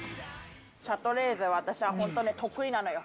シャトレーゼ、私ほんとにね得意なのよ。